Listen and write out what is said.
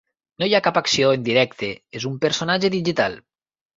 No hi ha cap acció en directe; és un personatge digital.